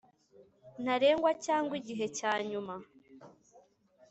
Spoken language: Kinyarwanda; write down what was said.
ntarengwa cyangwa igihe cya nyuma